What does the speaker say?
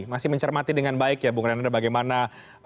masih mencermati dengan baik ya bung renanda bagaimana